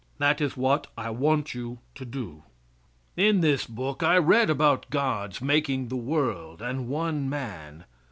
That is what I want you to do. In this book I read about God's making the world and one man.